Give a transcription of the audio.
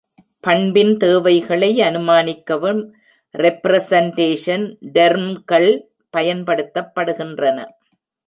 பண்பின் தேவைகளை அனுமானிக்கவும் ரெப்ரசன்டேஷன் டெர்ம்கள் பயன்படுத்தப்படுகின்றன.